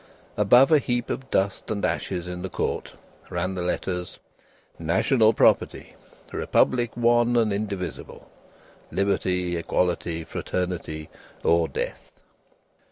Above a heap of dust and ashes in the court, ran the letters: National Property. Republic One and Indivisible. Liberty, Equality, Fraternity, or Death!